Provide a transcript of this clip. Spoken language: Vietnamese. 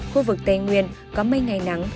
khu vực tây nguyên có mây ngày nắng